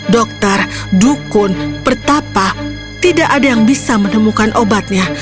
dokter dukun pertapa tidak ada yang bisa menemukan obatnya